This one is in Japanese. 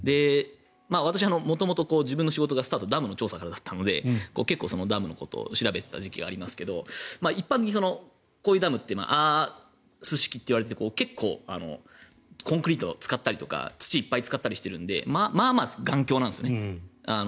私は元々、自分の仕事のスタートはダムの調査からだったので結構、ダムのことを調べていた時期がありますが一般的にこういうダムってアース式って言われていてコンクリートを使ったりとか土を使ったりしているのでまあまあ頑強なんですよね。